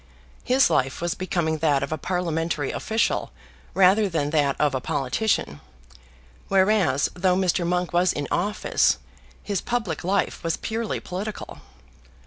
His life was becoming that of a parliamentary official rather than that of a politician; whereas, though Mr. Monk was in office, his public life was purely political.